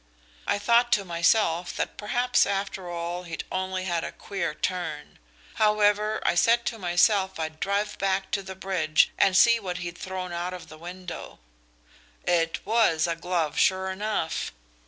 I thought to myself that perhaps, after all, he'd only had a queer turn; however, I said to myself I'd drive back to the bridge and see what he'd thrown out of the window. It was a glove, sure enough.